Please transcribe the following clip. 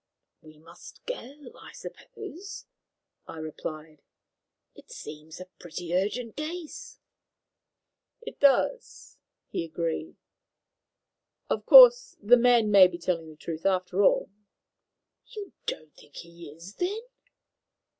"We must go, I suppose," I replied. "It seems a pretty urgent case." "It does," he agreed. "Of course, the man may be telling the truth, after all." "You don't think he is, then?"